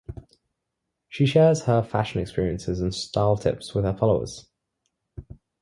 She shares her fashion experiences and style tips with her followers.